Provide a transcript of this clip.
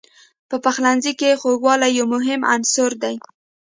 په پخلنځي کې خوږوالی یو مهم عنصر دی.